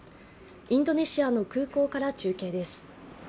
インドネシアの空港から中継です。